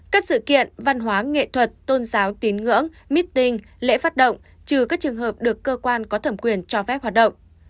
các sự kiện văn hóa nghệ thuật tôn giáo tín ngưỡng meeting lễ phát động trừ các trường hợp được cơ quan có thẩm quyền cho phép hoạt động